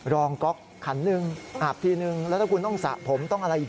รองก๊อกขันหนึ่งอาบทีนึงแล้วถ้าคุณต้องสระผมต้องอะไรอีก